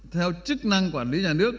theo chức năng quản lý nhà nước